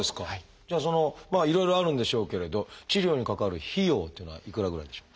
じゃあいろいろあるんでしょうけれど治療にかかる費用っていうのはいくらぐらいでしょう？